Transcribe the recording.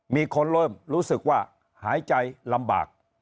มีคนรู้สึกว่าหายใจลำบาก